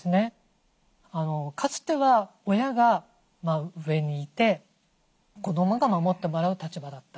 かつては親が上にいて子どもが守ってもらう立場だった。